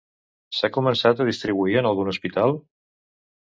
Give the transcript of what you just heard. S'han començat a distribuir en algun hospital?